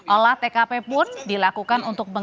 olah tkp pun dilakukan untuk memperbaiki